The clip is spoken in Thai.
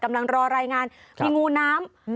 กำลังรอรายงานพี่งูน้ำ